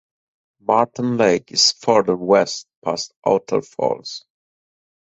Marten Lake is further west past Otter Falls.